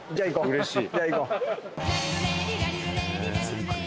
うれしい。